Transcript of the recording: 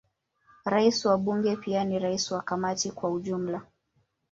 Rais wa Bunge pia ni rais wa Kamati kwa ujumla.